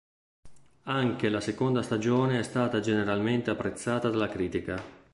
Anche la seconda stagione è stata generalmente apprezzata dalla critica.